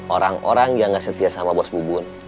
orang orang yang gak setia sama bos mubun